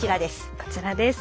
こちらです。